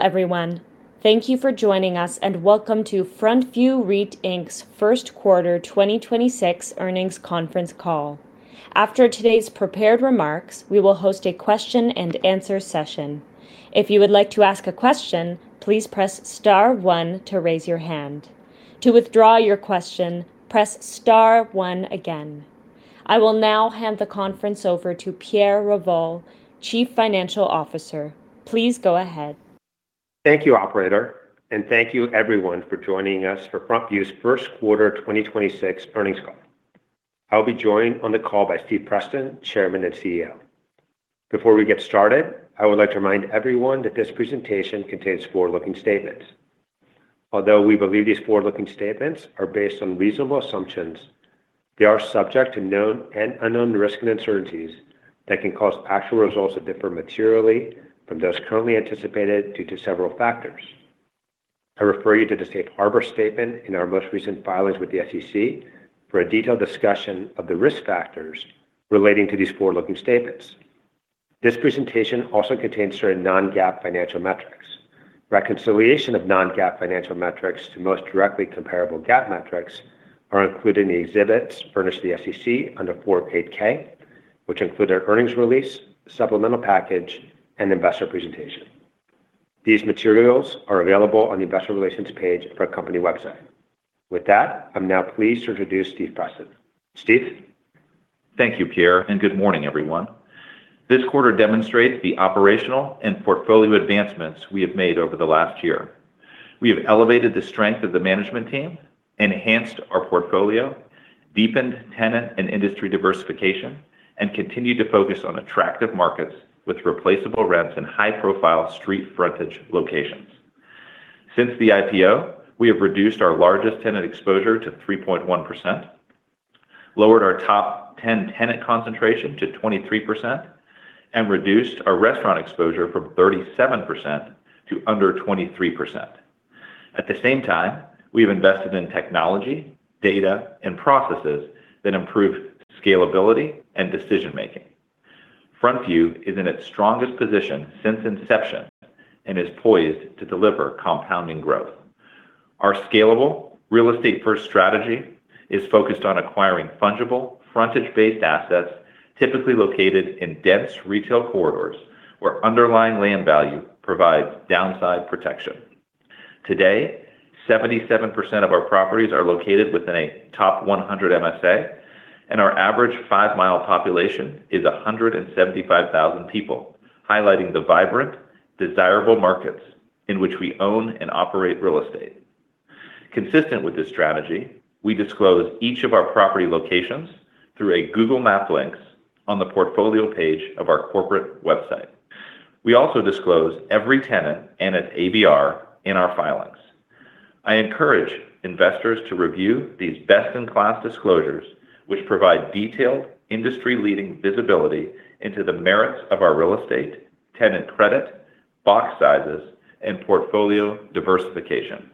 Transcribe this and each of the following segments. Everyone. Thank you for joining us. Welcome to FrontView REIT, Inc.'s first quarter 2026 earnings conference call. After today's prepared remarks, we will host a question and answer session. If you would like to ask a question, please press star 1 to raise your hand. To withdraw your question, press star 1 again. I will now hand the conference over to Pierre Revol, Chief Financial Officer. Please go ahead. Thank you, operator, and thank you everyone for joining us for FrontView's first quarter 2026 earnings call. I'll be joined on the call by Stephen Preston, Chairman and CEO. Before we get started, I would like to remind everyone that this presentation contains forward-looking statements. Although we believe these forward-looking statements are based on reasonable assumptions, they are subject to known and unknown risks and uncertainties that can cause actual results to differ materially from those currently anticipated due to several factors. I refer you to the safe harbor statement in our most recent filings with the SEC for a detailed discussion of the risk factors relating to these forward-looking statements. This presentation also contains certain non-GAAP financial metrics. Reconciliation of non-GAAP financial metrics to most directly comparable GAAP metrics are included in the exhibits furnished to the SEC under Form 8-K, which include our earnings release, supplemental package, and investor presentation. These materials are available on the investor relations page of our company website. With that, I'm now pleased to introduce Stephen Preston. Steve? Thank you, Pierre, and good morning, everyone. This quarter demonstrates the operational and portfolio advancements we have made over the last year. We have elevated the strength of the management team, enhanced our portfolio, deepened tenant and industry diversification, and continued to focus on attractive markets with replaceable rents and high-profile street frontage locations. Since the IPO, we have reduced our largest tenant exposure to 3.1%, lowered our top 10 tenant concentration to 23%, and reduced our restaurant exposure from 37% to under 23%. At the same time, we've invested in technology, data, and processes that improve scalability and decision-making. FrontView is in its strongest position since inception and is poised to deliver compounding growth. Our scalable, real estate first strategy is focused on acquiring fungible, frontage-based assets typically located in dense retail corridors where underlying land value provides downside protection. Today, 77% of our properties are located within a top 100 MSA, and our average 5-mile population is 175,000 people, highlighting the vibrant, desirable markets in which we own and operate real estate. Consistent with this strategy, we disclose each of our property locations through a Google Maps links on the portfolio page of our corporate website. We also disclose every tenant and its ABR in our filings. I encourage investors to review these best-in-class disclosures, which provide detailed industry-leading visibility into the merits of our real estate, tenant credit, box sizes, and portfolio diversification.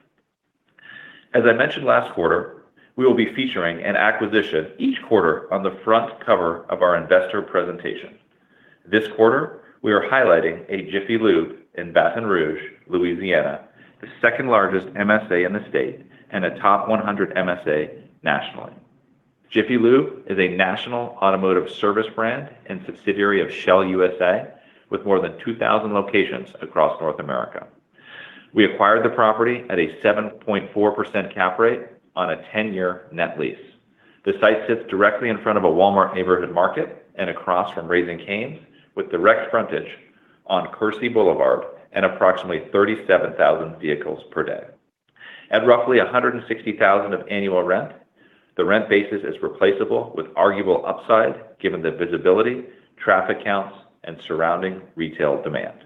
As I mentioned last quarter, we will be featuring an acquisition each quarter on the front cover of our investor presentation. This quarter, we are highlighting a Jiffy Lube in Baton Rouge, Louisiana, the second largest MSA in the state and a top 100 MSA nationally. Jiffy Lube is a national automotive service brand and subsidiary of Shell USA with more than 2,000 locations across North America. We acquired the property at a 7.4% cap rate on a 10-year net lease. The site sits directly in front of a Walmart Neighborhood Market and across from Raising Cane's with direct frontage on Coursey Boulevard and approximately 37,000 vehicles per day. At roughly $160,000 of annual rent, the rent basis is replaceable with arguable upside, given the visibility, traffic counts, and surrounding retail demand.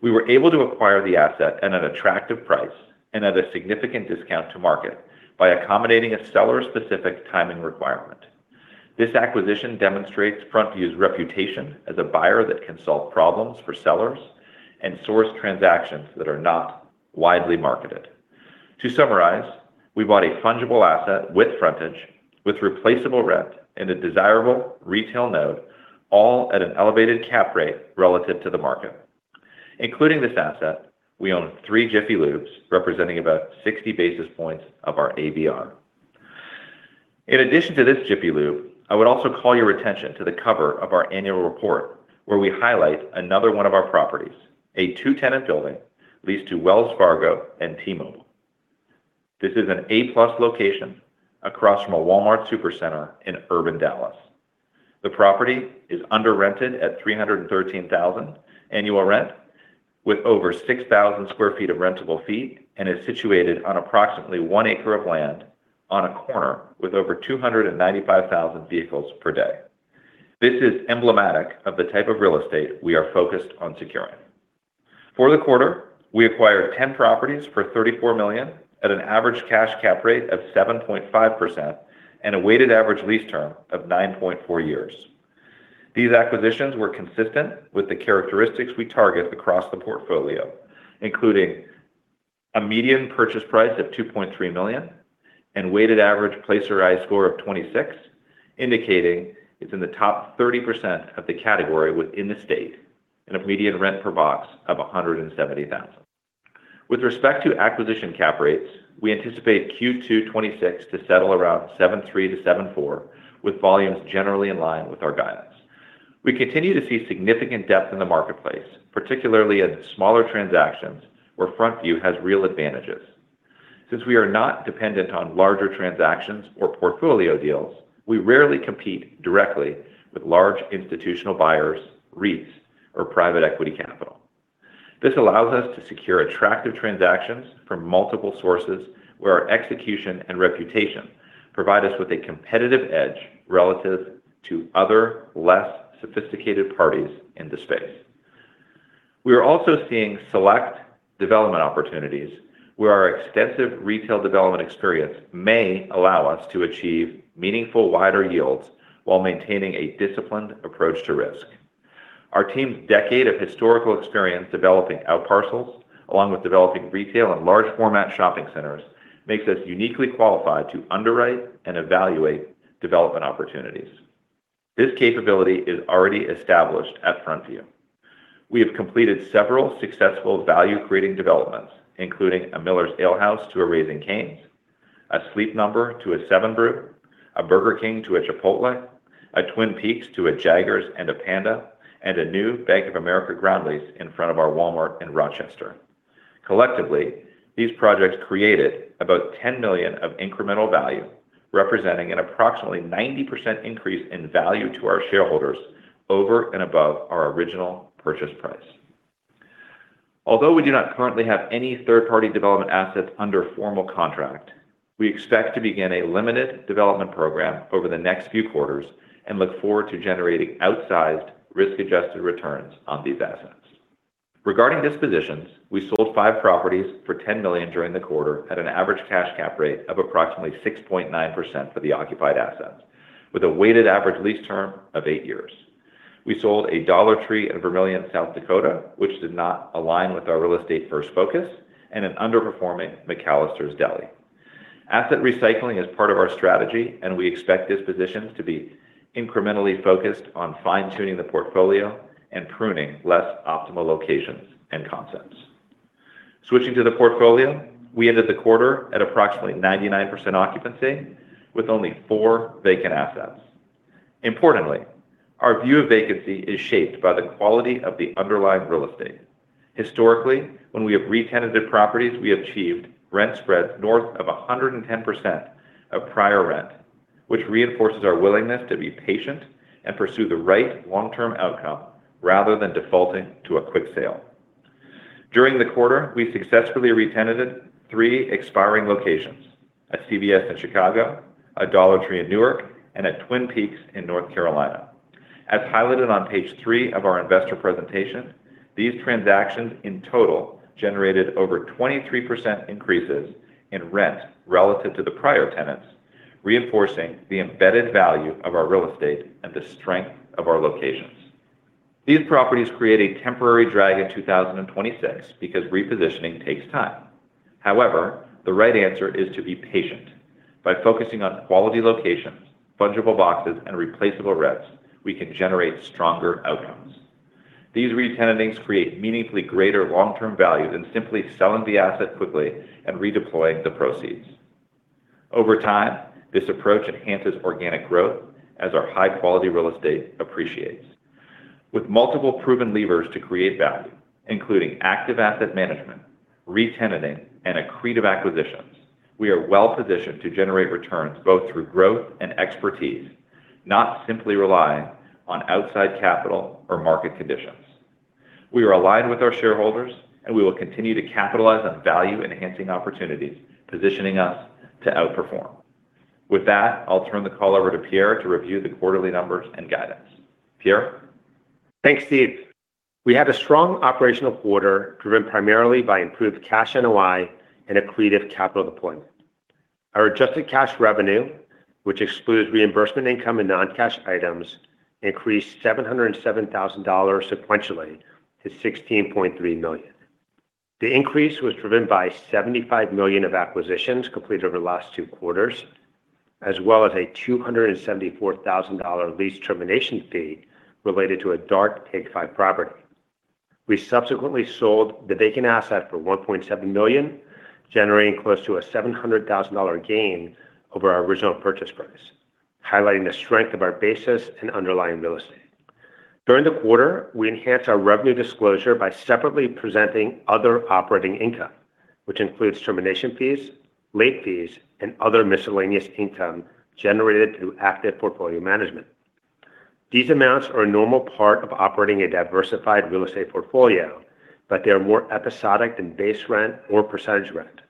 We were able to acquire the asset at an attractive price and at a significant discount to market by accommodating a seller-specific timing requirement. This acquisition demonstrates FrontView's reputation as a buyer that can solve problems for sellers and source transactions that are not widely marketed. To summarize, we bought a fungible asset with frontage, with replaceable rent in a desirable retail node, all at an elevated cap rate relative to the market. Including this asset, we own three Jiffy Lubes, representing about 60 basis points of our ABR. In addition to this Jiffy Lube, I would also call your attention to the cover of our annual report, where we highlight another one of our properties, a two-tenant building leased to Wells Fargo and T-Mobile. This is an A-plus location across from a Walmart Supercenter in urban Dallas. The property is under rented at $313,000 annual rent with over 6,000 sq ft of rentable fee and is situated on approximately 1 acre of land on a corner with over 295,000 vehicles per day. This is emblematic of the type of real estate we are focused on securing. For the quarter, we acquired 10 properties for $34 million at an average cash cap rate of 7.5% and a weighted average lease term of 9.4 years. These acquisitions were consistent with the characteristics we target across the portfolio, including a median purchase price of $2.3 million and weighted average Placer.ai score of 26, indicating it's in the top 30% of the category within the state and a median rent per box of $170,000. With respect to acquisition cap rates, we anticipate Q2 2026 to settle around 7.3%-7.4%, with volumes generally in line with our guidance. We continue to see significant depth in the marketplace, particularly in smaller transactions where FrontView has real advantages. Since we are not dependent on larger transactions or portfolio deals, we rarely compete directly with large institutional buyers, REITs, or private equity capital. This allows us to secure attractive transactions from multiple sources where our execution and reputation provide us with a competitive edge relative to other less sophisticated parties in the space. We are also seeing select development opportunities where our extensive retail development experience may allow us to achieve meaningful wider yields while maintaining a disciplined approach to risk. Our team's decade of historical experience developing outparcels, along with developing retail and large format shopping centers, makes us uniquely qualified to underwrite and evaluate development opportunities. This capability is already established at FrontView. We have completed several successful value-creating developments, including a Miller's Ale House to a Raising Cane's, a Sleep Number to a 7 Brew, a Burger King to a Chipotle, a Twin Peaks to a Jaggers and a Panda Express, and a new Bank of America ground lease in front of our Walmart in Rochester. Collectively, these projects created about $10 million of incremental value, representing an approximately 90% increase in value to our shareholders over and above our original purchase price. Although we do not currently have any third-party development assets under formal contract, we expect to begin a limited development program over the next few quarters and look forward to generating outsized risk-adjusted returns on these assets. Regarding dispositions, we sold 5 properties for $10 million during the quarter at an average cash cap rate of approximately 6.9% for the occupied assets, with a weighted average lease term of 8 years. We sold a Dollar Tree in Vermillion, South Dakota, which did not align with our real estate first focus and an underperforming McAlister's Deli. Asset recycling is part of our strategy. We expect dispositions to be incrementally focused on fine-tuning the portfolio and pruning less optimal locations and concepts. Switching to the portfolio, we ended the quarter at approximately 99% occupancy with only 4 vacant assets. Importantly, our view of vacancy is shaped by the quality of the underlying real estate. Historically, when we have retenanted properties, we achieved rent spreads north of 110% of prior rent, which reinforces our willingness to be patient and pursue the right long-term outcome rather than defaulting to a quick sale. During the quarter, we successfully retenanted 3 expiring locations, a CVS in Chicago, a Dollar Tree in Newark, and a Twin Peaks in North Carolina. As highlighted on page 3 of our investor presentation, these transactions in total generated over 23% increases in rent relative to the prior tenants, reinforcing the embedded value of our real estate and the strength of our locations. These properties create a temporary drag in 2026 because repositioning takes time. The right answer is to be patient. By focusing on quality locations, fungible boxes, and replaceable rents, we can generate stronger outcomes. These retenantings create meaningfully greater long-term value than simply selling the asset quickly and redeploying the proceeds. Over time, this approach enhances organic growth as our high-quality real estate appreciates. With multiple proven levers to create value, including active asset management, retenanting, and accretive acquisitions, we are well-positioned to generate returns both through growth and expertise, not simply relying on outside capital or market conditions. We are aligned with our shareholders, and we will continue to capitalize on value-enhancing opportunities, positioning us to outperform. With that, I'll turn the call over to Pierre to review the quarterly numbers and guidance. Pierre? Thanks, Steve. We had a strong operational quarter driven primarily by improved cash NOI and accretive capital deployment. Our adjusted cash revenue, which excludes reimbursement income and non-cash items, increased $707,000 sequentially to $16.3 million. The increase was driven by $75 million of acquisitions completed over the last two quarters, as well as a $274,000 lease termination fee related to a dark Big 5 property. We subsequently sold the vacant asset for $1.7 million, generating close to a $700,000 gain over our original purchase price, highlighting the strength of our basis and underlying real estate. During the quarter, we enhanced our revenue disclosure by separately presenting other operating income, which includes termination fees, late fees, and other miscellaneous income generated through active portfolio management. These amounts are a normal part of operating a diversified real estate portfolio, but they are more episodic than base rent or percentage rent.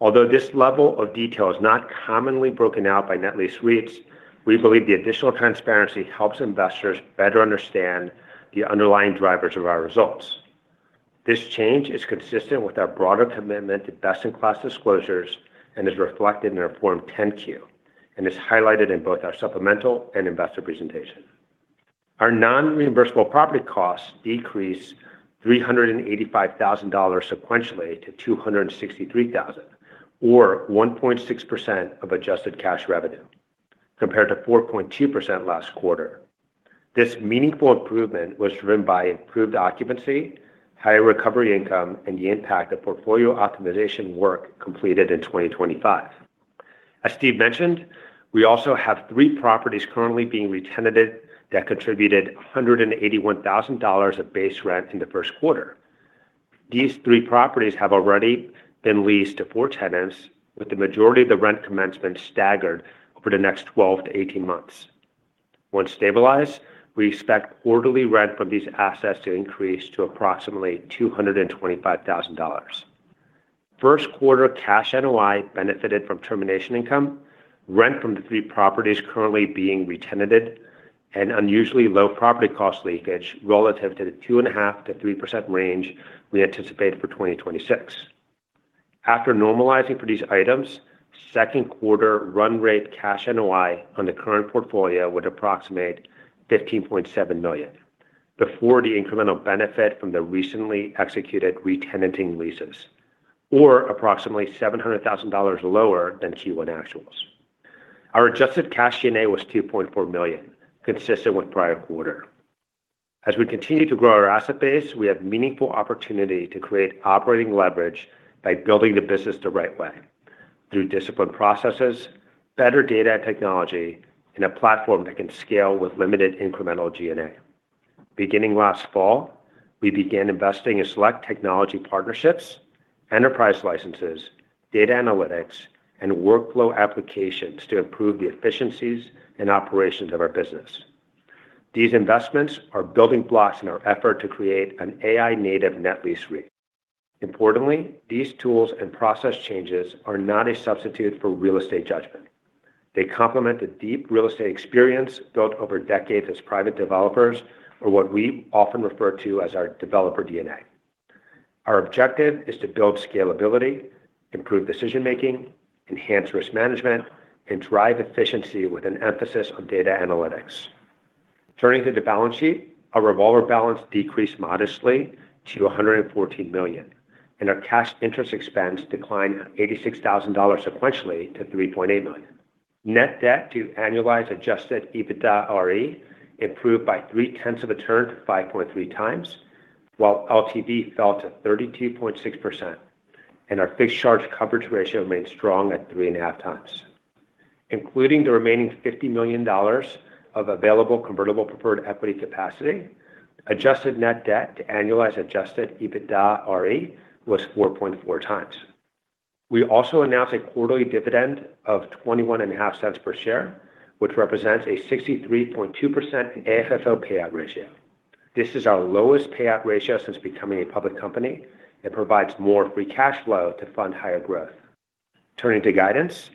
Although this level of detail is not commonly broken out by net lease REITs, we believe the additional transparency helps investors better understand the underlying drivers of our results. This change is consistent with our broader commitment to best-in-class disclosures and is reflected in our Form 10-Q and is highlighted in both our supplemental and investor presentation. Our non-reimbursable property costs decreased $385,000 sequentially to $263,000, or 1.6% of adjusted cash revenue, compared to 4.2% last quarter. This meaningful improvement was driven by improved occupancy, higher recovery income, and the impact of portfolio optimization work completed in 2025. As Stephen Preston mentioned, we also have three properties currently being re-tenanted that contributed $181,000 of base rent in the first quarter. These three properties have already been leased to four tenants, with the majority of the rent commencement staggered over the next 12-18 months. Once stabilized, we expect quarterly rent from these assets to increase to approximately $225,000. First quarter cash NOI benefited from termination income, rent from the three properties currently being re-tenanted, and unusually low property cost leakage relative to the 2.5%-3% range we anticipate for 2026. After normalizing for these items, second quarter run rate cash NOI on the current portfolio would approximate $15.7 million before the incremental benefit from the recently executed re-tenanting leases, or approximately $700,000 lower than Q1 actuals. Our adjusted cash G&A was $2.4 million, consistent with prior quarter. As we continue to grow our asset base, we have meaningful opportunity to create operating leverage by building the business the right way through disciplined processes, better data technology, and a platform that can scale with limited incremental G&A. Beginning last fall, we began investing in select technology partnerships, enterprise licenses, data analytics, and workflow applications to improve the efficiencies and operations of our business. These investments are building blocks in our effort to create an AI native net lease REIT. Importantly, these tools and process changes are not a substitute for real estate judgment. They complement the deep real estate experience built over decades as private developers, or what we often refer to as our developer DNA. Our objective is to build scalability, improve decision-making, enhance risk management, and drive efficiency with an emphasis on data analytics. Turning to the balance sheet, our revolver balance decreased modestly to $114 million, and our cash interest expense declined $86,000 sequentially to $3.8 million. Net debt to annualized adjusted EBITDAre improved by 0.3 of a turn to 5.3 times, while LTV fell to 32.6%, and our fixed charge coverage ratio remains strong at 3.5 times. Including the remaining $50 million of available convertible preferred equity capacity, adjusted net debt to annualized adjusted EBITDAre was 4.4 times. We also announced a quarterly dividend of $0.215 per share, which represents a 63.2% AFFO payout ratio. This is our lowest payout ratio since becoming a public company and provides more free cash flow to fund higher growth. Turning to guidance,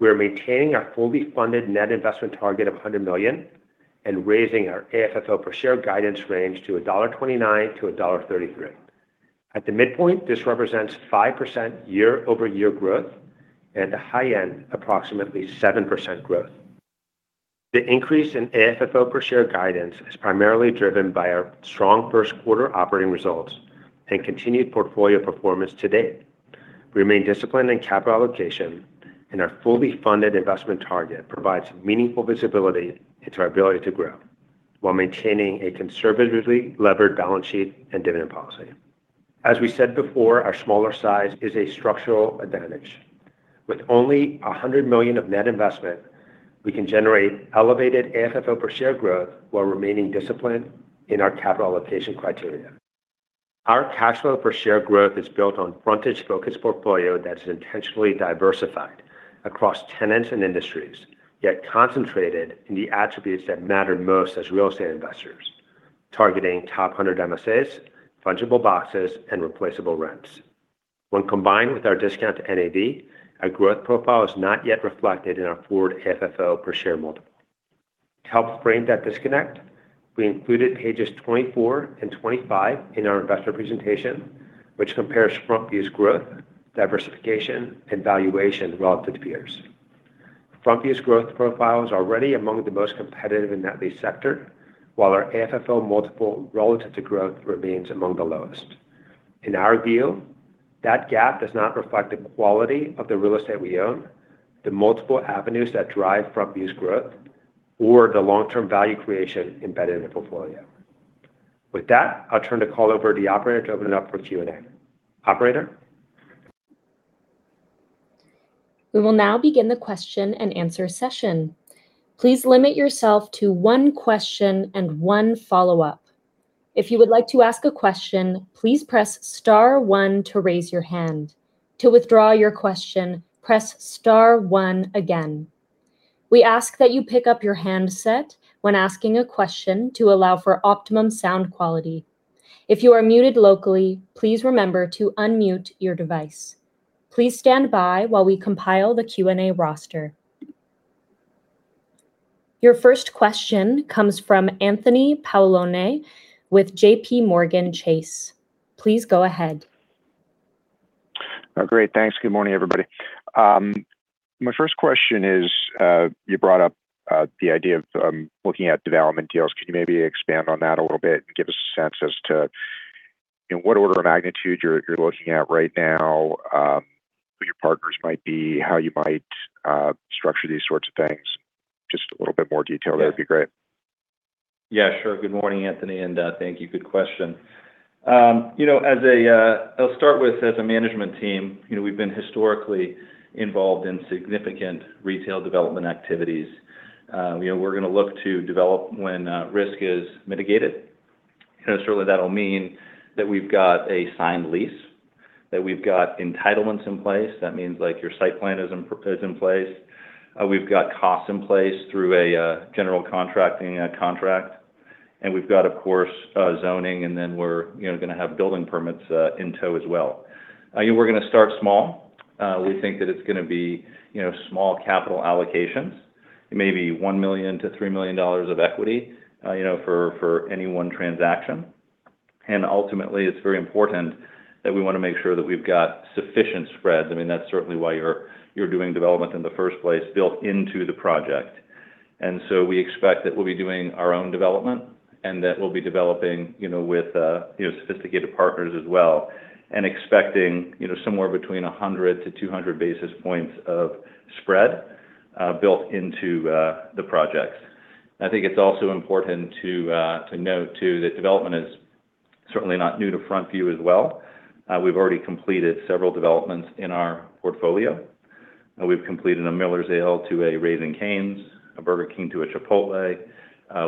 we are maintaining our fully funded net investment target of $100 million and raising our AFFO per share guidance range to $1.29 to $1.33. At the midpoint, this represents 5% year-over-year growth and at the high end, approximately 7% growth. The increase in AFFO per share guidance is primarily driven by our strong first quarter operating results and continued portfolio performance to date. We remain disciplined in capital allocation and our fully funded investment target provides meaningful visibility into our ability to grow while maintaining a conservatively levered balance sheet and dividend policy. As we said before, our smaller size is a structural advantage. With only $100 million of net investment, we can generate elevated AFFO per share growth while remaining disciplined in our capital allocation criteria. Our cash flow per share growth is built on frontage focused portfolio that is intentionally diversified across tenants and industries, yet concentrated in the attributes that matter most as real estate investors, targeting top 100 MSAs, fungible boxes, and replaceable rents. When combined with our discount to NAV, our growth profile is not yet reflected in our forward AFFO per share multiple. To help frame that disconnect, we included pages 24 and 25 in our investor presentation, which compares FrontView's growth, diversification, and valuation relative to peers. FrontView's growth profile is already among the most competitive in net lease sector, while our AFFO multiple relative to growth remains among the lowest. In our view, that gap does not reflect the quality of the real estate we own, the multiple avenues that drive FrontView's growth, or the long-term value creation embedded in the portfolio. With that, I'll turn the call over to the operator to open it up for Q&A. Operator? We will now begin the question and answer session. Please limit yourself to one question and one follow-up. If you would like to ask a question, please press star one to raise your hand. To withdraw your question, press star one again. We ask that you pick up your handset when asking a question to allow for optimum sound quality. If you are muted locally, please remember to unmute your device. Please stand by while we compile the Q&A roster. Your first question comes from Anthony Paolone with JPMorgan Chase. Please go ahead. Oh, great. Thanks. Good morning, everybody. My first question is, you brought up the idea of looking at development deals. Can you maybe expand on that a little bit and give us a sense as to in what order of magnitude you're looking at right now, who your partners might be, how you might structure these sorts of things? Just a little bit more detail there would be great. Yeah, sure. Good morning, Anthony, and thank you. Good question. You know, I'll start with as a management team. You know, we've been historically involved in significant retail development activities. You know, we're gonna look to develop when risk is mitigated. You know, certainly that'll mean that we've got a signed lease, that we've got entitlements in place. That means, like, your site plan is in place. We've got costs in place through a general contracting contract, we've got, of course, zoning, we're, you know, gonna have building permits in tow as well. You know, we're gonna start small. We think that it's gonna be, you know, small capital allocations, maybe $1 million to $3 million of equity, you know, for any one transaction. Ultimately, it's very important that we wanna make sure that we've got sufficient spreads, I mean, that's certainly why you're doing development in the first place, built into the project. So we expect that we'll be doing our own development, and that we'll be developing, you know, with, you know, sophisticated partners as well, and expecting, you know, somewhere between 100-200 basis points of spread built into the projects. I think it's also important to note too that development is certainly not new to FrontView as well. We've already completed several developments in our portfolio. We've completed a Miller's Ale to a Raising Cane's, a Burger King to a Chipotle.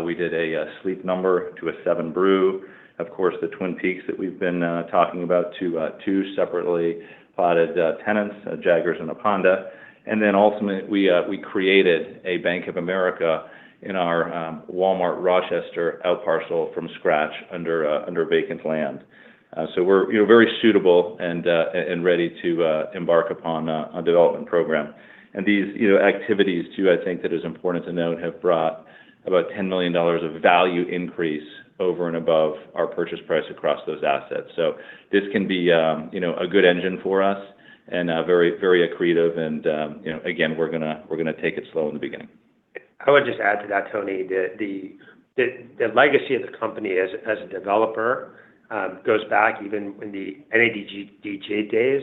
We did a Sleep Number to a 7 Brew. Of course, the Twin Peaks that we've been talking about to two separately plotted tenants, a Jaggers and a Panda. Then ultimately, we created a Bank of America in our Walmart Rochester out parcel from scratch under vacant land. So we're, you know, very suitable and ready to embark upon a development program. These, you know, activities too, I think that is important to note, have brought about $10 million of value increase over and above our purchase price across those assets. This can be, you know, a good engine for us and very, very accretive and, you know, again, we're gonna take it slow in the beginning. I would just add to that, Tony, the legacy of the company as a developer goes back even in the NADG- DJ days.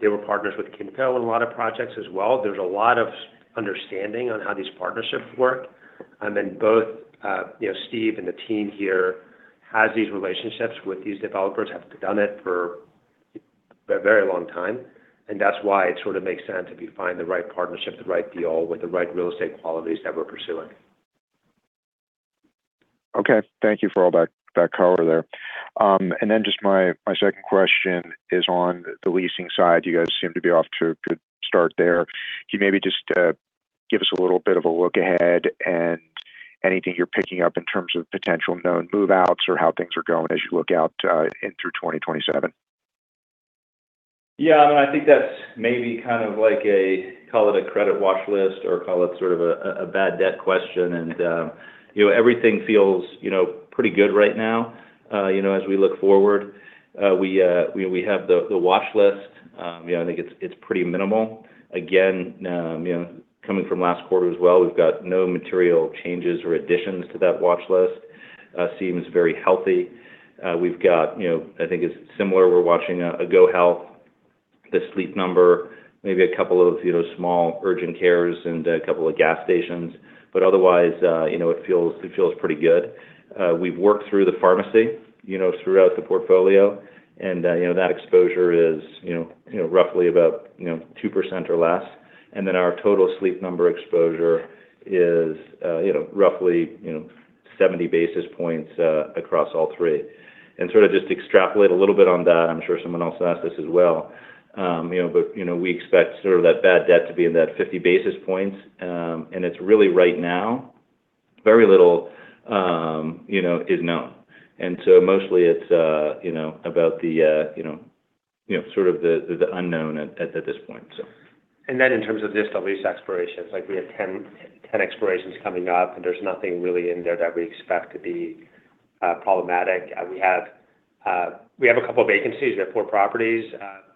They were partners with Kinthel in a lot of projects as well. There's a lot of understanding on how these partnerships work. Then both, you know, Steve and the team here has these relationships with these developers, have done it for a very long time, and that's why it sort of makes sense if you find the right partnership, the right deal, with the right real estate qualities that we're pursuing. Okay. Thank you for all that color there. Just my second question is on the leasing side. You guys seem to be off to a good start there. Can you maybe just give us a little bit of a look ahead and anything you're picking up in terms of potential known move-outs or how things are going as you look out in through 2027? I mean, I think that's maybe kind of like a call it a credit watch list or call it sort of a bad debt question. Everything feels pretty good right now. As we look forward, we have the watch list. I think it's pretty minimal. Again, coming from last quarter as well, we've got no material changes or additions to that watch list. Seems very healthy. We've got, I think it's similar. We're watching a GoHealth, the Sleep Number, maybe a couple of small urgent cares and a couple of gas stations, but otherwise, it feels pretty good. We've worked through the pharmacy throughout the portfolio and that exposure is roughly about 2% or less. Our total Sleep Number exposure is roughly 70 basis points across all three. Sort of just to extrapolate a little bit on that, I'm sure someone else will ask this as well, we expect sort of that bad debt to be in that 50 basis points. It's really right now, very little is known. Mostly it's about the sort of the unknown at this point. In terms of just the lease expirations, like we have 10 expirations coming up, and there's nothing really in there that we expect to be problematic. We have a couple vacancies. We have 4 properties.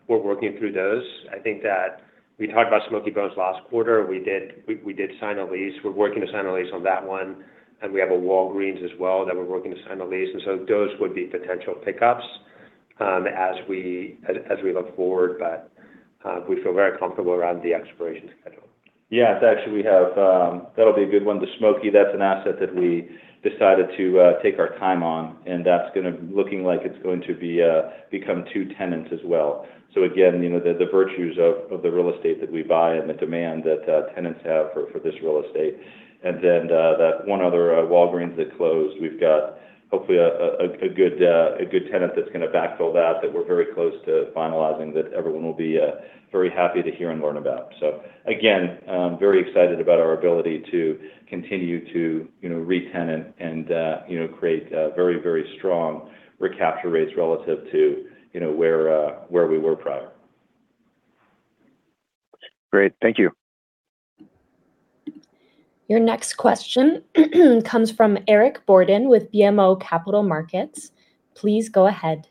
We're working through those. I think that we talked about Smokey Bones last quarter. We did sign a lease. We're working to sign a lease on that one, and we have a Walgreens as well that we're working to sign a lease. Those would be potential pickups as we look forward. We feel very comfortable around the expiration schedule. Yeah. Actually, we have. That'll be a good one. The Smokey Bones, that's an asset that we decided to take our time on, and that's looking like it's going to become two tenants as well. Again, you know, the virtues of the real estate that we buy and the demand that tenants have for this real estate. That one other Walgreens that closed, we've got hopefully a good tenant that's going to backfill that we're very close to finalizing that everyone will be very happy to hear and learn about. Again, I'm very excited about our ability to continue to, you know, re-tenant and, you know, create a very, very strong recapture rates relative to, you know, where we were prior. Great. Thank you. Your next question comes from Eric Borden with BMO Capital Markets. Please go ahead.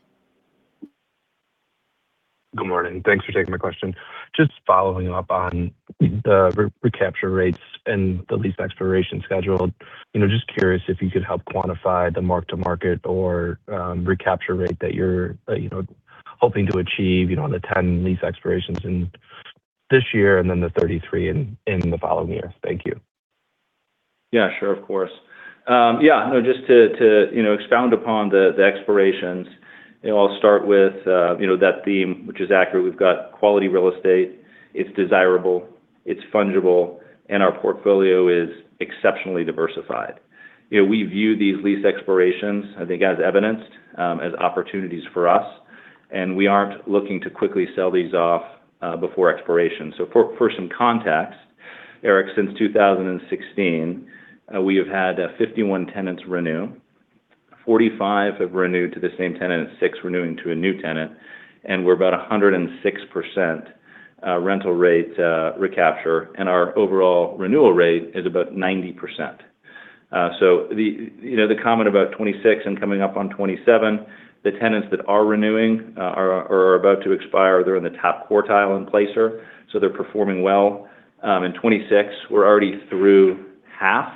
Good morning. Thanks for taking my question. Just following up on the re-recapture rates and the lease expiration schedule. You know, just curious if you could help quantify the mark to market or recapture rate that you're, you know, hoping to achieve, you know, on the 10 lease expirations in this year and then the 33 in the following year. Thank you. Yeah, sure. Of course. Just to, you know, expound upon the expirations, you know, I'll start with, you know, that theme, which is accurate. We've got quality real estate, it's desirable, it's fungible, and our portfolio is exceptionally diversified. You know, we view these lease expirations, I think as evidenced, as opportunities for us, we aren't looking to quickly sell these off before expiration. For some context, Eric, since 2016, we have had 51 tenants renew. 45 have renewed to the same tenant, 6 renewing to a new tenant, we're about a 106% rental rate recapture. Our overall renewal rate is about 90%. The, you know, the comment about 26 and coming up on 27, the tenants that are renewing, are about to expire, they're in the top quartile in Placer.ai, they're performing well. In 26, we're already through half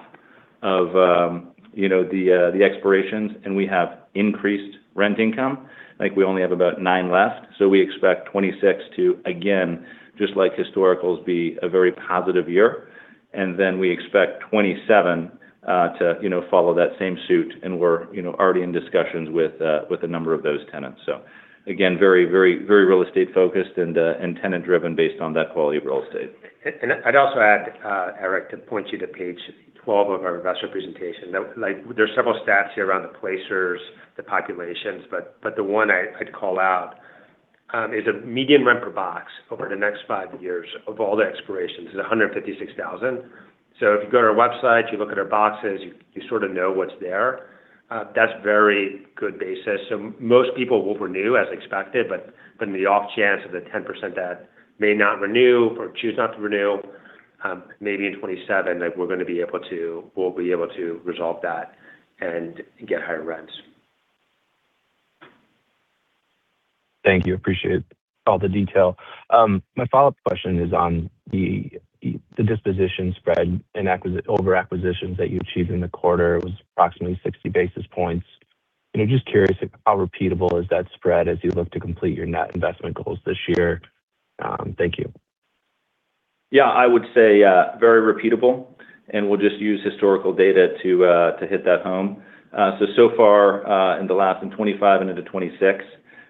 of, you know, the expirations, we have increased rent income. I think we only have about 9 left. We expect 26 to, again, just like historicals, be a very positive year. We expect 27 to, you know, follow that same suit. We're, you know, already in discussions with a number of those tenants. Again, very real estate focused and tenant driven based on that quality of real estate. I'd also add, Eric, to point you to page 12 of our investor presentation. Like, there's several stats here around the Placer.ai, the populations, but the one I'd call out is a median rent per box over the next 5 years of all the expirations is $156,000. If you go to our website, you look at our boxes, you sort of know what's there. That's very good basis. Most people will renew as expected, but in the off chance of the 10% that may not renew or choose not to renew, maybe in 2027, like we'll be able to resolve that and get higher rents. Thank you. Appreciate all the detail. My follow-up question is on the disposition spread over acquisitions that you achieved in the quarter. It was approximately 60 basis points. I'm just curious how repeatable is that spread as you look to complete your net investment goals this year. Thank you. Yeah, I would say, very repeatable, and we'll just use historical data to hit that home. So far, in the last in 2025 and into 2026,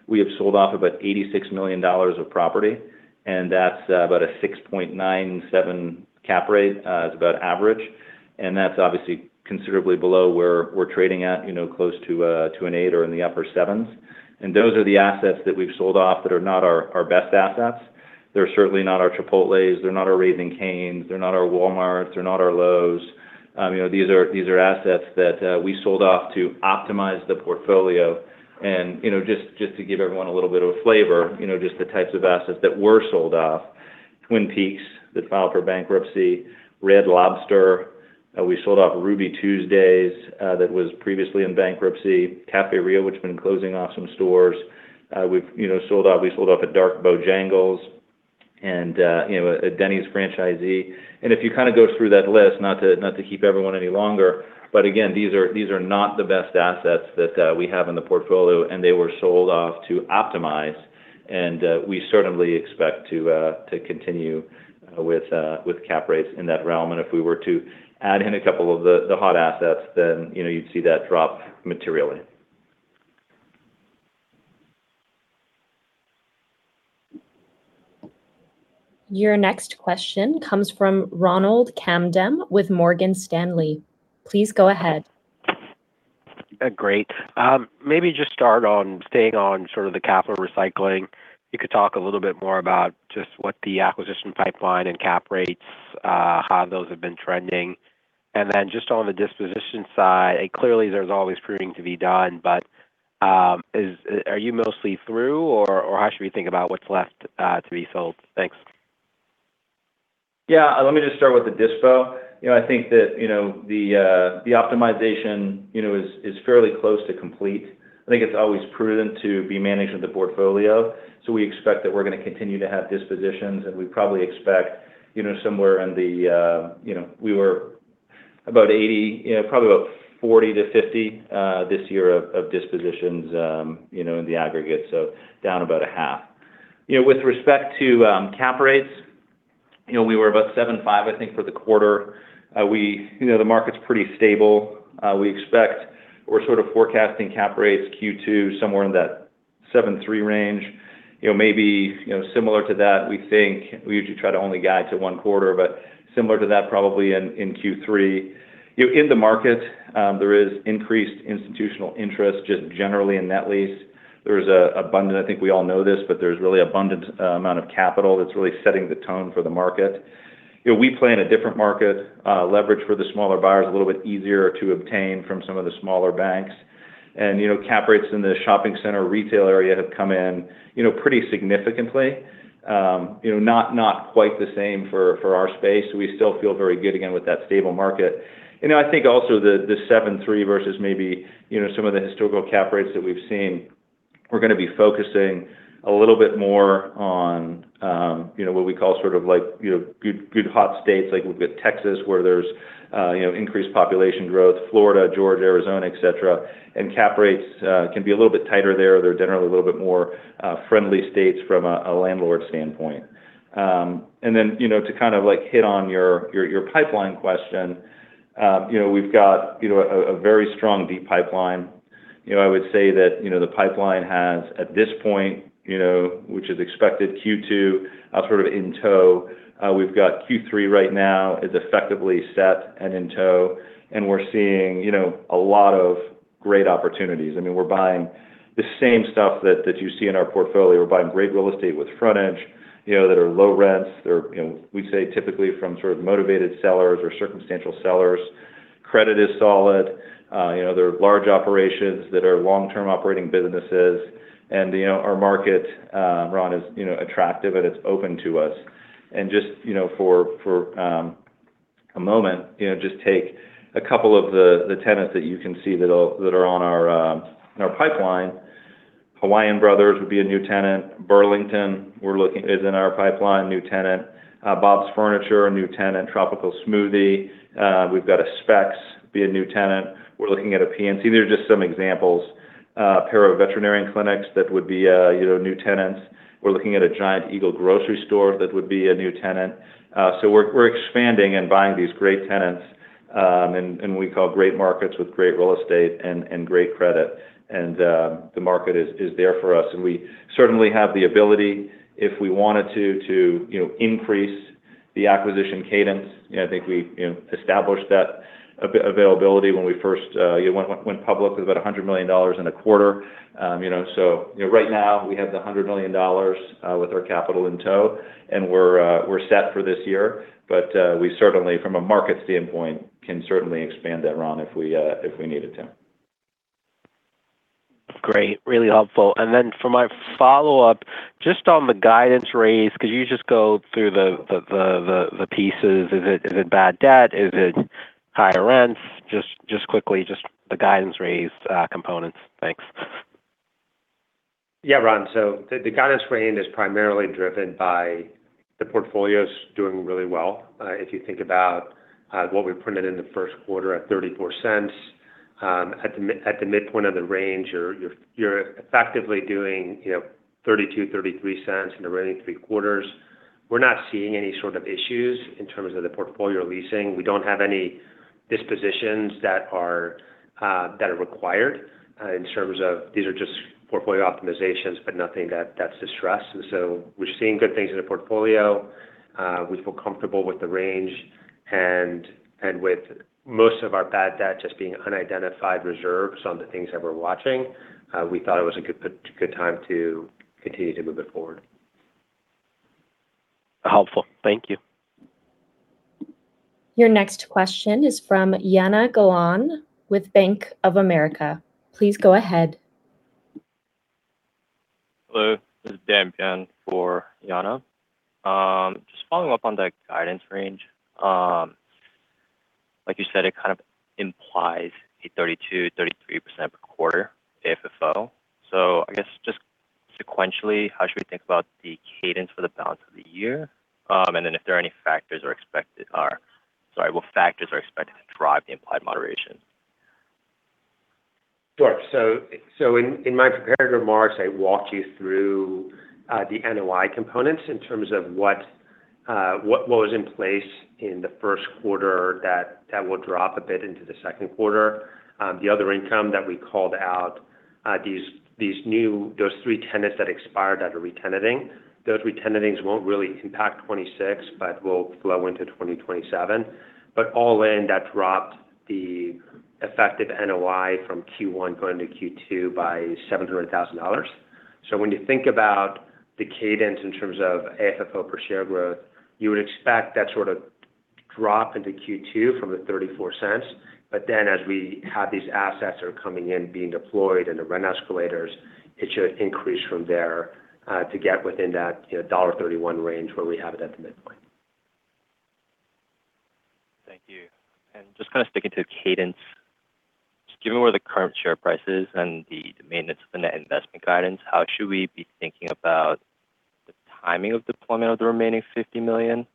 we have sold off about $86 million of property, and that's about a 6.97% cap rate. It's about average. That's obviously considerably below where we're trading at, you know, close to an 8 or in the upper 7s. Those are the assets that we've sold off that are not our best assets. They're certainly not our Chipotles. They're not our Raising Cane's. They're not our Walmarts. They're not our Lowe's. You know, these are assets that we sold off to optimize the portfolio. You know, just to give everyone a little bit of a flavor, you know, just the types of assets that were sold off. Twin Peaks that filed for bankruptcy. Red Lobster. We sold off Ruby Tuesday that was previously in bankruptcy. Cafe Rio, which has been closing off some stores. We've, you know, sold off a dark Bojangles and, you know, a Denny's franchisee. If you kind of go through that list, not to, not to keep everyone any longer, but again, these are, these are not the best assets that we have in the portfolio, and they were sold off to optimize. We certainly expect to continue with cap rates in that realm. If we were to add in a couple of the hot assets, then, you know, you'd see that drop materially. Your next question comes from Ronald Kamdem with Morgan Stanley. Please go ahead. Great. Maybe just start on staying on sort of the capital recycling. You could talk a little bit more about just what the acquisition pipeline and cap rates, how those have been trending. Then just on the disposition side, clearly there's always pruning to be done, but are you mostly through, or how should we think about what's left to be sold? Thanks. Yeah. Let me just start with the dispo. You know, I think that, you know, the optimization, you know, is fairly close to complete. I think it's always prudent to be managing the portfolio. We expect that we're gonna continue to have dispositions, and we probably expect, you know, somewhere in the $40 to $50 this year of dispositions, you know, in the aggregate, so down about a half. You know, with respect to cap rates, you know, we were about 7.5, I think, for the quarter. We, you know, the market's pretty stable. We expect we're sort of forecasting cap rates Q2 somewhere in that 7.3 range. You know, maybe, you know, similar to that, we think we usually try to only guide to one quarter, but similar to that probably in Q3. You know, in the market, there is increased institutional interest just generally in net lease. There's a, I think we all know this, but there's really abundant amount of capital that's really setting the tone for the market. You know, we play in a different market. Leverage for the smaller buyer is a little bit easier to obtain from some of the smaller banks. You know, cap rates in the shopping center retail area have come in, you know, pretty significantly. You know, not quite the same for our space. We still feel very good again with that stable market. You know, I think also the 7.3 versus maybe, you know, some of the historical cap rates that we've seen, we're gonna be focusing a little bit more on, you know, what we call sort of like, you know, good hot states like we've got Texas where there's, you know, increased population growth, Florida, Georgia, Arizona, et cetera. Cap rates can be a little bit tighter there. They're generally a little bit more friendly states from a landlord standpoint. You know, to kind of like hit on your, your pipeline question, you know, we've got, you know, a very strong deep pipeline. You know, I would say that, you know, the pipeline has at this point, you know, which is expected Q2, sort of in tow. We've got Q3 right now is effectively set and in tow, we're seeing, you know, a lot of great opportunities. I mean, we're buying the same stuff that you see in our portfolio. We're buying great real estate with frontage, you know, that are low rents. They're, you know, we say typically from sort of motivated sellers or circumstantial sellers. Credit is solid. You know, they're large operations that are long-term operating businesses. You know, our market, Ron, is, you know, attractive and it's open to us. Just, you know, for a moment, you know, just take a couple of the tenants that you can see that are on our pipeline. Hawaiian Bros would be a new tenant. Burlington, we're looking, is in our pipeline, new tenant. Bob's Furniture, a new tenant. Tropical Smoothie. We've got a Spec's, be a new tenant. We're looking at a PNC. They're just some examples. Pair of veterinarian clinics that would be, you know, new tenants. We're looking at a Giant Eagle grocery store that would be a new tenant. So we're expanding and buying these great tenants, in we call great markets with great real estate and great credit. The market is there for us. We certainly have the ability, if we wanted to, you know, increase the acquisition cadence. I think we, you know, established that availability when we first, you know, went public with about $100 million and a quarter. Right now we have the $100 million with our capital in tow, and we're set for this year. We certainly, from a market standpoint, can certainly expand that, Ron, if we needed to. Great. Really helpful. For my follow-up, just on the guidance raise, could you just go through the pieces? Is it bad debt? Is it higher rents? Just quickly, just the guidance raised components. Thanks. Ron, the guidance range is primarily driven by the portfolios doing really well. If you think about what we printed in the first quarter at $0.34, at the midpoint of the range, you're effectively doing, you know, $0.32-$0.33 in the remaining three quarters. We're not seeing any sort of issues in terms of the portfolio leasing. We don't have any dispositions that are required in terms of these are just portfolio optimizations, but nothing that's distressed. We're seeing good things in the portfolio. We feel comfortable with the range and with most of our bad debt just being unidentified reserves on the things that we're watching. We thought it was a good time to continue to move it forward. Helpful. Thank you. Your next question is from Jana Galan with Bank of America. Please go ahead. Hello. This is Dan Phan for Jana. Just following up on the guidance range. Like you said, it kind of implies a 32%-33% per quarter AFFO. I guess just sequentially, how should we think about the cadence for the balance of the year? What factors are expected to drive the implied moderation? In my prepared remarks, I walked you through the NOI components in terms of what was in place in Q1 that will drop a bit into Q2. The other income that we called out, those three tenants that expired that are re-tenanting. Those re-tenantings won't really impact 2026, will flow into 2027. All in, that dropped the effective NOI from Q1 going to Q2 by $700,000. When you think about the cadence in terms of AFFO per share growth, you would expect that sort of drop into Q2 from the $0.34. As we have these assets are coming in, being deployed and the rent escalators, it should increase from there, to get within that, you know, $1.31 range where we have it at the midpoint. Thank you. Just kind of sticking to the cadence. Given where the current share price is and the maintenance of the net investment guidance, how should we be thinking about the timing of deployment of the remaining $50 million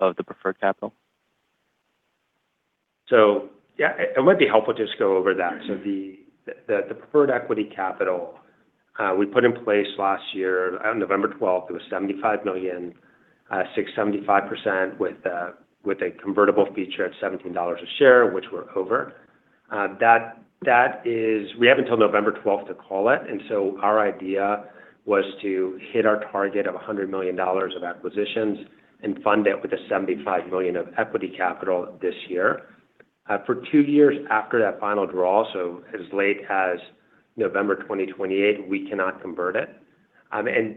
of the preferred capital? Yeah, it might be helpful just go over that. The preferred equity capital we put in place last year on November 12th. It was $75 million, 6.75% with a convertible feature at $17 a share, which we're over. We have until November 12th to call it. Our idea was to hit our target of $100 million of acquisitions and fund it with the $75 million of equity capital this year. For two years after that final draw, so as late as November 2028, we cannot convert it.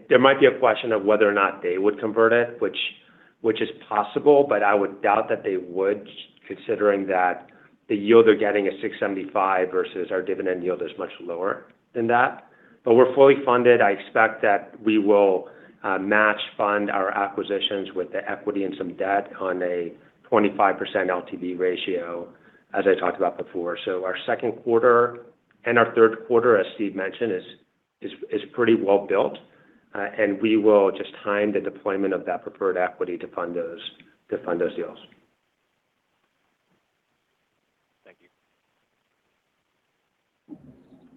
There might be a question of whether or not they would convert it, which is possible, but I would doubt that they would, considering that the yield they're getting is 6.75 versus our dividend yield is much lower than that. We're fully funded. I expect that we will match fund our acquisitions with the equity and some debt on a 25% LTV ratio, as I talked about before. Our second quarter and our third quarter, as Stephen Preston mentioned, is pretty well built. We will just time the deployment of that preferred equity to fund those deals. Thank you.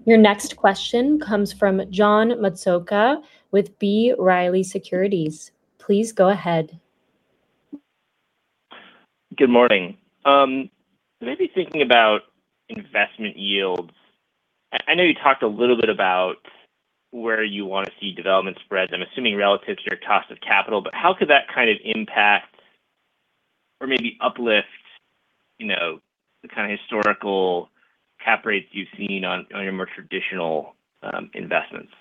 Your next question comes from John Massocca with B. Riley Securities. Please go ahead. Good morning. Maybe thinking about investment yields. I know you talked a little bit about where you want to see development spreads, I'm assuming relative to your cost of capital. How could that kind of impact or maybe uplift, you know, the kind of historical cap rates you've seen on your more traditional investments?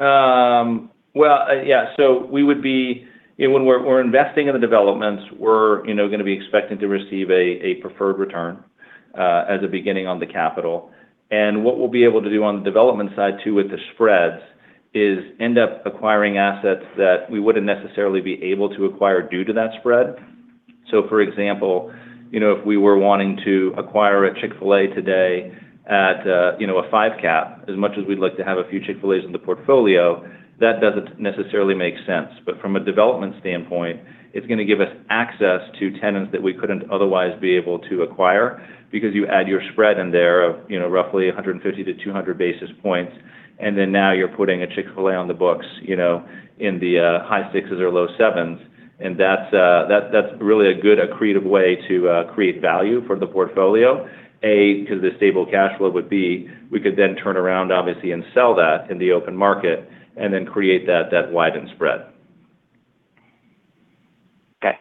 Well, you know, when we're investing in the developments, we're, you know, going to be expecting to receive a preferred return as a beginning on the capital. What we'll be able to do on the development side too with the spreads is end up acquiring assets that we wouldn't necessarily be able to acquire due to that spread. For example, you know, if we were wanting to acquire a Chick-fil-A today at, you know, a 5 cap, as much as we'd like to have a few Chick-fil-A's in the portfolio, that doesn't necessarily make sense. From a development standpoint, it's gonna give us access to tenants that we couldn't otherwise be able to acquire because you add your spread in there of, you know, roughly 150 to 200 basis points, and then now you're putting a Chick-fil-A on the books, you know, in the high sixes or low sevens. That's, that's really a good accretive way to create value for the portfolio. 'Cause the stable cash flow would be, we could then turn around obviously and sell that in the open market and then create that widened spread. Okay.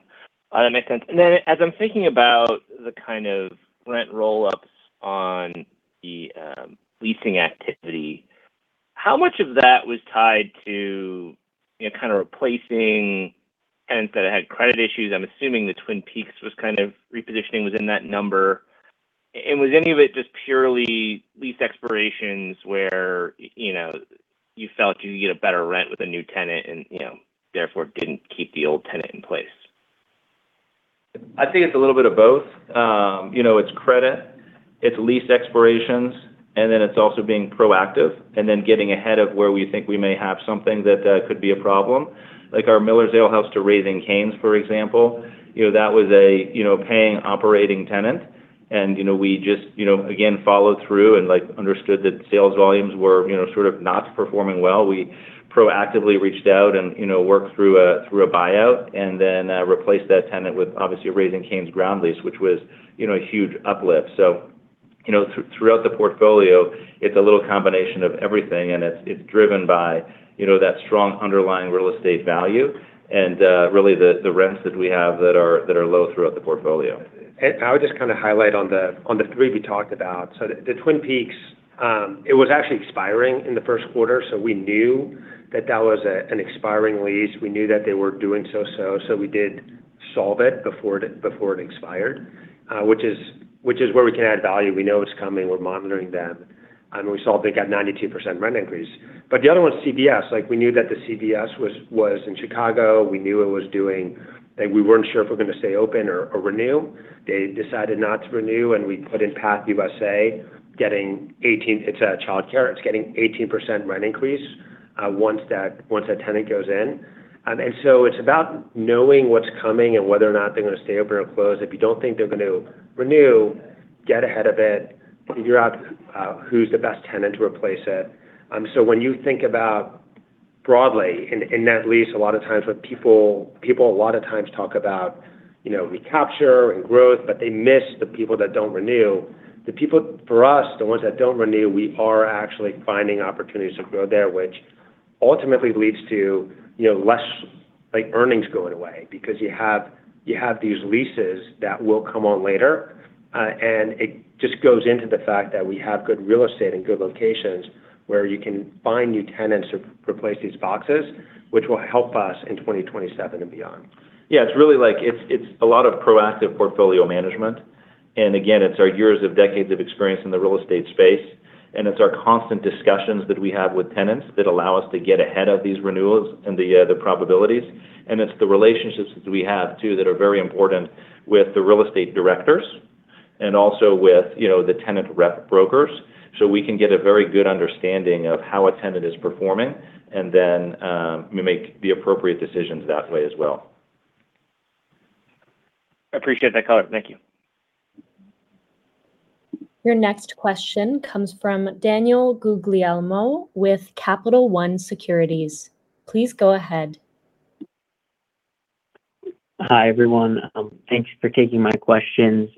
That makes sense. As I'm thinking about the kind of rent roll-ups on the leasing activity, how much of that was tied to, you know, kind of replacing tenants that had credit issues? I'm assuming the Twin Peaks was kind of repositioning within that number. Was any of it just purely lease expirations where, you know, you felt you could get a better rent with a new tenant and, you know, therefore didn't keep the old tenant in place? I think it's a little bit of both. You know, it's credit, it's lease expirations, and then it's also being proactive, and then getting ahead of where we think we may have something that could be a problem. Like our Miller's Ale House to Raising Cane's, for example. You know, that was a paying operating tenant. You know, we just again followed through and, like, understood that sales volumes were, you know, sort of not performing well. We proactively reached out and, you know, worked through a buyout, and then replaced that tenant with obviously a Raising Cane's ground lease, which was, you know, a huge uplift. you know, throughout the portfolio, it's a little combination of everything and it's driven by, you know, that strong underlying real estate value and really the rents that we have that are, that are low throughout the portfolio. I would just kind of highlight on the 3 we talked about. The Twin Peaks, it was actually expiring in the first quarter, so we knew that that was an expiring lease. We knew that they were doing so-so, so we did solve it before it expired. Which is where we can add value. We know it's coming. We're monitoring them. We saw it got 92% rent increase. The other one's CVS. We knew that the CVS was in Chicago. We knew it was doing. We weren't sure if we were going to stay open or renew. They decided not to renew, and we put in Adventure Park USA Childcare. It's a childcare. It's getting 18% rent increase once that tenant goes in. It's about knowing what's coming and whether or not they're gonna stay open or close. If you don't think they're gonna renew, get ahead of it. Figure out who's the best tenant to replace it. When you think about broadly, in net lease, a lot of times what people a lot of times talk about, you know, recapture and growth, but they miss the people that don't renew. The people for us, the ones that don't renew, we are actually finding opportunities to grow there, which ultimately leads to, you know, less, like, earnings going away because you have these leases that will come on later. It just goes into the fact that we have good real estate and good locations where you can find new tenants to replace these boxes, which will help us in 2027 and beyond. Yeah, it's really like, it's a lot of proactive portfolio management. Again, it's our years of decades of experience in the real estate space, and it's our constant discussions that we have with tenants that allow us to get ahead of these renewals and the probabilities. It's the relationships that we have too that are very important with the real estate directors and also with, you know, the tenant rep brokers, so we can get a very good understanding of how a tenant is performing and then we make the appropriate decisions that way as well. I appreciate that color. Thank you. Your next question comes from Daniel Guglielmo with Capital One Securities. Please go ahead. Hi, everyone. Thank you for taking my questions.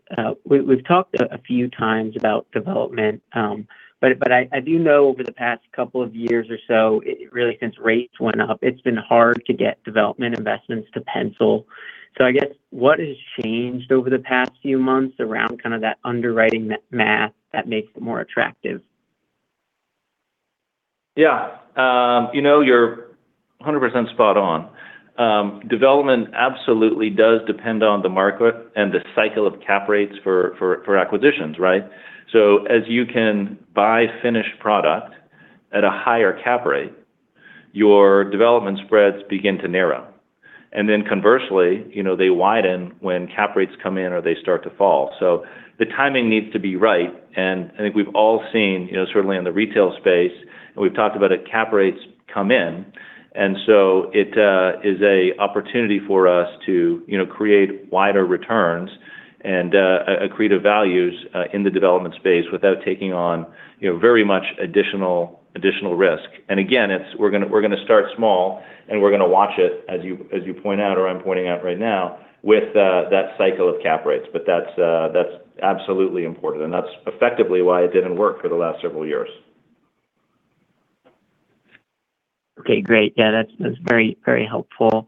We've talked a few times about development. I do know over the past couple of years or so, really since rates went up, it's been hard to get development investments to pencil. I guess, what has changed over the past few months around kind of that underwriting math that makes it more attractive? Yeah. You know, you're 100% spot on. Development absolutely does depend on the market and the cycle of cap rates for acquisitions, right? As you can buy finished product at a higher cap rate, your development spreads begin to narrow. Conversely, you know, they widen when cap rates come in or they start to fall. The timing needs to be right, and I think we've all seen, you know, certainly in the retail space, and we've talked about it, cap rates come in. It is an opportunity for us to, you know, create wider returns and accretive values in the development space without taking on, you know, very much additional risk. Again, we're gonna start small, and we're gonna watch it, as you, as you point out or I'm pointing out right now, with that cycle of cap rates. That's absolutely important, and that's effectively why it didn't work for the last several years. Okay. Great. Yeah, that's very, very helpful.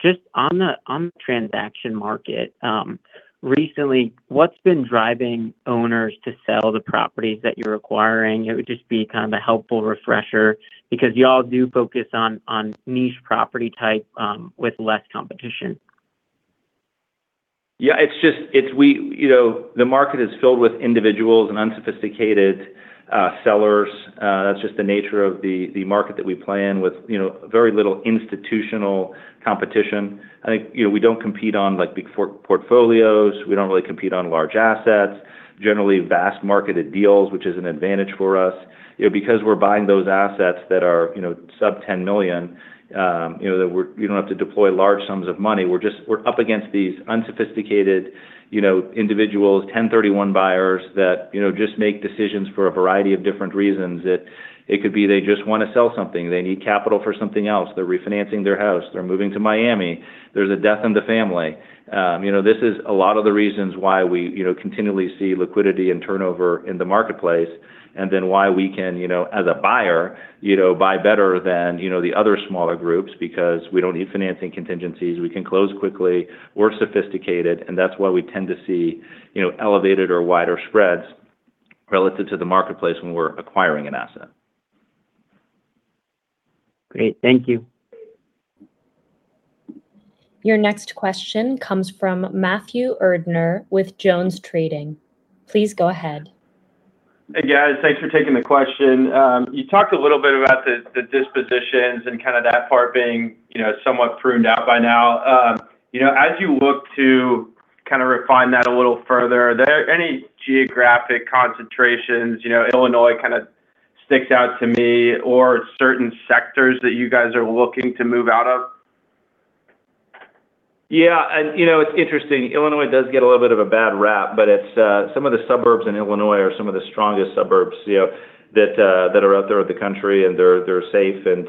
Just on the, on the transaction market, recently what's been driving owners to sell the properties that you're acquiring? It would just be kind of a helpful refresher because y'all do focus on niche property type, with less competition. It's just, You know, the market is filled with individuals and unsophisticated sellers. That's just the nature of the market that we play in with, you know, very little institutional competition. I think, you know, we don't compete on like big portfolios. We don't really compete on large assets. Generally vast marketed deals, which is an advantage for us. You know, because we're buying those assets that are, you know, sub $10 million, you know, You don't have to deploy large sums of money. We're just, we're up against these unsophisticated, you know, individuals, 1031 buyers that, you know, just make decisions for a variety of different reasons. It could be they just wanna sell something. They need capital for something else. They're refinancing their house. They're moving to Miami. There's a death in the family. You know, this is a lot of the reasons why we, you know, continually see liquidity and turnover in the marketplace, and then why we can, you know, as a buyer, you know, buy better than, you know, the other smaller groups because we don't need financing contingencies. We can close quickly. We're sophisticated, and that's why we tend to see, you know, elevated or wider spreads relative to the marketplace when we're acquiring an asset. Great. Thank you. Your next question comes from Matthew Erdner with JonesTrading. Please go ahead. Hey, guys. Thanks for taking the question. You talked a little bit about the dispositions and kind of that part being, you know, somewhat pruned out by now. You know, as you look to kind of refine that a little further, are there any geographic concentrations, you know, Illinois kind of sticks out to me, or certain sectors that you guys are looking to move out of? Yeah. You know, it's interesting. Illinois does get a little bit of a bad rap, but it's some of the suburbs in Illinois are some of the strongest suburbs, you know, that are out there in the country, and they're safe and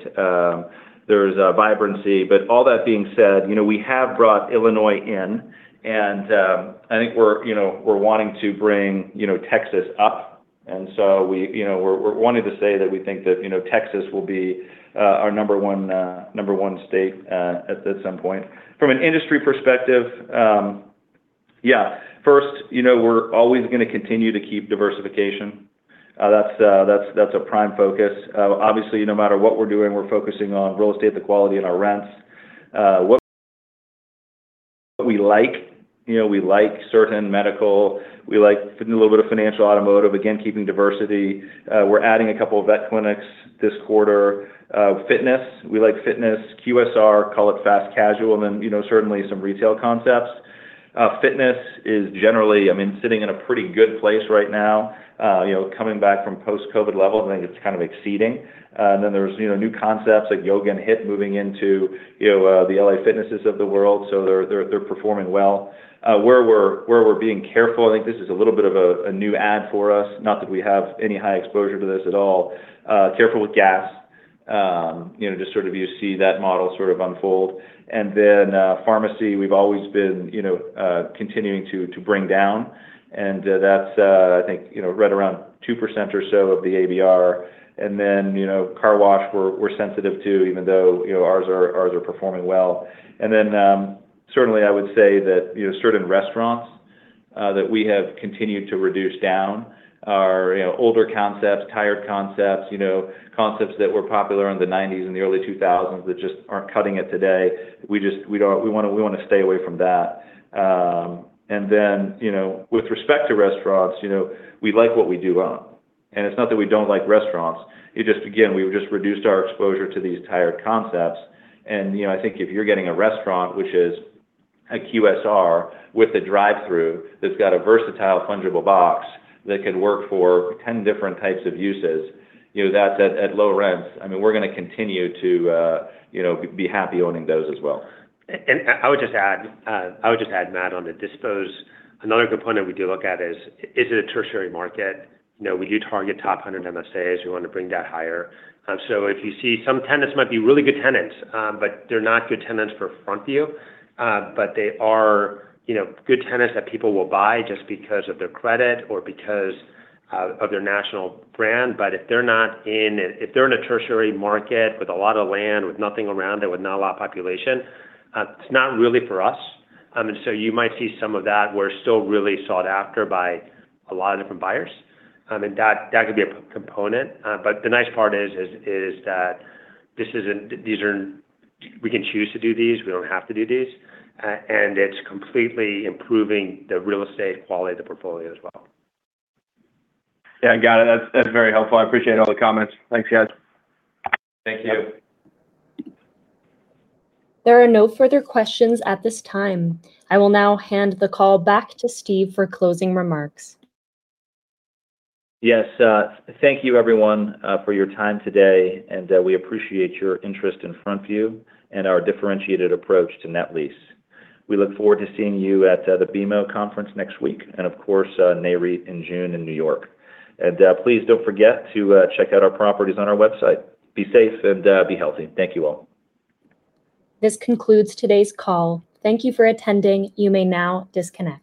there's vibrancy. All that being said, you know, we have brought Illinois in, and I think we're, you know, we're wanting to bring, you know, Texas up. We, you know, we're wanting to say that we think that, you know, Texas will be our number 1, number 1 state at some point. From an industry perspective, first, you know, we're always gonna continue to keep diversification. That's a prime focus. Obviously, no matter what we're doing, we're focusing on real estate, the quality and our rents. What we like, you know, we like certain medical, we like a little bit of financial automotive. Again, keeping diversity. We're adding a couple of vet clinics this quarter. Fitness. We like fitness. QSR, call it fast casual, and then, you know, certainly some retail concepts. Fitness is generally, I mean, sitting in a pretty good place right now. You know, coming back from post-COVID levels, I think it's kind of exceeding. Then there's, you know, new concepts like yoga and HIIT moving into, you know, the L.A. Fitnesses of the world. They're performing well. Where we're being careful, I think this is a little bit of a new add for us, not that we have any high exposure to this at all. Careful with gas. You know, just sort of you see that model sort of unfold. Pharmacy we've always been, you know, continuing to bring down, that's, I think, you know, right around 2% or so of the ABR. You know, car wash we're sensitive to, even though, you know, ours are performing well. Certainly I would say that, you know, certain restaurants that we have continued to reduce down are, you know, older concepts, tired concepts. You know, concepts that were popular in the '90s and the early 2000s that just aren't cutting it today. We wanna stay away from that. Then, you know, with respect to restaurants, you know, we like what we do own. It's not that we don't like restaurants, it just, again, we've just reduced our exposure to these tired concepts. You know, I think if you're getting a restaurant which is a QSR with a drive-through that's got a versatile fungible box that could work for 10 different types of uses, you know, that's at low rents, I mean, we're gonna continue to be happy owning those as well. I would just add, Matt, on the dispos. Another component we do look at is it a tertiary market? You know, we do target top 100 MSAs. We want to bring that higher. If you see some tenants might be really good tenants, but they're not good tenants for FrontView. They are, you know, good tenants that people will buy just because of their credit or because of their national brand. If they're in a tertiary market with a lot of land, with nothing around it, with not a lot of population, it's not really for us. You might see some of that where it's still really sought after by a lot of different buyers. That could be a component. The nice part is that these aren't We can choose to do these. We don't have to do these. It's completely improving the real estate quality of the portfolio as well. Yeah, got it. That's very helpful. I appreciate all the comments. Thanks, guys. Thank you. There are no further questions at this time. I will now hand the call back to Stephen for closing remarks. Yes. Thank you everyone for your time today, and we appreciate your interest in FrontView and our differentiated approach to net lease. We look forward to seeing you at the BMO conference next week and of course, Nareit in June in New York. Please don't forget to check out our properties on our website. Be safe and be healthy. Thank you all. This concludes today's call. Thank you for attending. You may now disconnect.